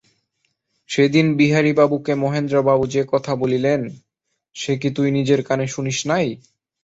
সেদিন বিহারীবাবুকে মহেন্দ্রবাবু যে কথা বলিলেন, সে কি তুই নিজের কানে শুনিস নাই।